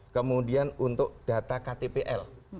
kemudian untuk data ktpl